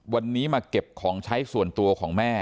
วันนี้มาเก็บของใช้ส่วนตัวของแม่